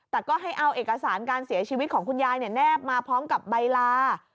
แต่ก็ให้เอาเอกสารการเสียชีวิตของคุณยายแนบมาพร้อมกับใบลา